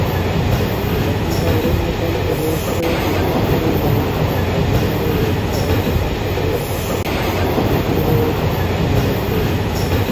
বর্তমানে অরুণাচল প্রদেশে বিমানবন্দরের ব্যবস্থা নাই তাই বিমানের জন্য অরুণাচল প্রদেশ এই বন্দরের উপর নির্ভরশীল।